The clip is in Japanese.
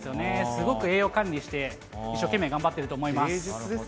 すごく栄養管理して、一生懸命頑張ってると思います。